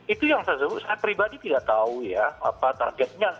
itu yang saya sebut saya pribadi tidak tahu ya apa targetnya